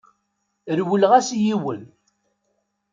Rewleɣ-as i yiwen.